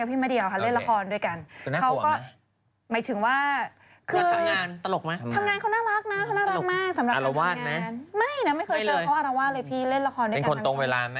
ผมอยากให้คุณตอบทีละข้อนะโอเคตอบ